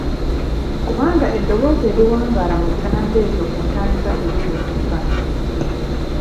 Kubanga eddoboozi eriwangaala mu kigambo ekyo ku ntandikwa teriwulikika.